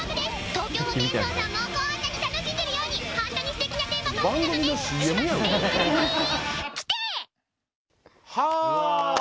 東京ホテイソンさんもこんなに楽しんでるようにほんとにすてきなテーマパークなので志摩スペイン村には。